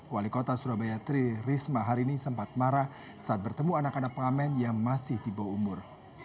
wali kota surabaya tri risma hari ini sempat marah saat bertemu anak anak pengamen yang masih di bawah umur